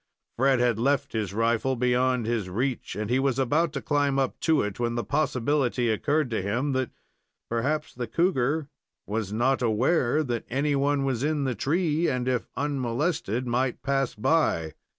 Fred had left his rifle beyond his reach, and he was about to climb up to it, when the possibility occurred to him that, perhaps, the cougar was not aware that any one was in the tree, and, if unmolested might pass by.